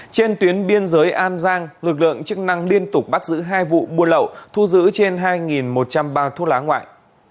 trên tuyến biên giới an giang lực lượng chức năng liên tục bắt giữ hai vụ buôn lậu thu giữ trên hai một trăm linh bao thuốc lá ngoại